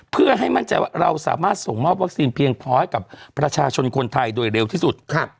เพื่อให้มั่นใจว่าเราสามารถส่งมอบวัคซีนเพียงพอให้กับประชาชนคนไทยโดยเร็วที่สุด